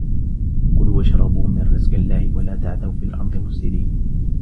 كُلُوا وَاشْرَبُوا مِنْ رِزْقِ اللَّهِ وَلَا تَعْثَوْا فِي الْأَرْضِ مُفْسِدِينَ